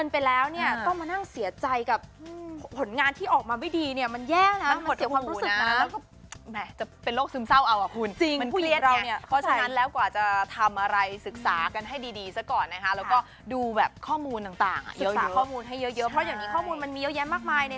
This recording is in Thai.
เพราะว่าว่าก็ว่าเถอะดิฉันว่ามันก็อยู่ที่ดวงด้วยละ